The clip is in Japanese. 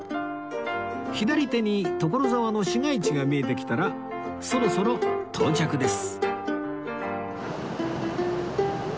左手に所沢の市街地が見えてきたらそろそろ到着です